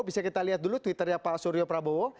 bisa kita lihat dulu twitternya pak suryo prabowo